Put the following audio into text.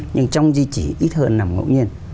nhưng trong di chỉ ít hơn nằm ngẫu nhiên